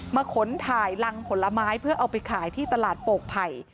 ขนถ่ายรังผลไม้เพื่อเอาไปขายที่ตลาดโปกไผ่